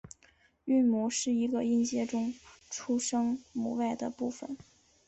韵母是一个音节中除声母外的部分。